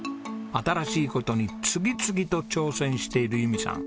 新しい事に次々と挑戦している由美さん。